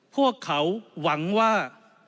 พวกเขาหวังว่า